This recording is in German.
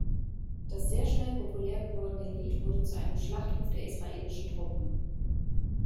Das sehr schnell populär gewordene Lied wurde zu einem Schlachtruf der israelischen Truppen.